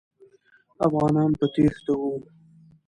افغانان په تېښته وو.